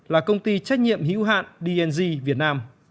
là công ty trách nhiệm hữu hạn dng việt nam